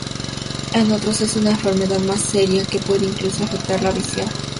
En otros, es una enfermedad más seria, que puede incluso afectar a la visión.